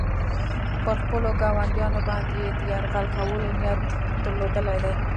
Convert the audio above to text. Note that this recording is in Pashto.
پر خپلو ګاونډیانو باندې یې د یرغل کولو نیت درلودلی دی.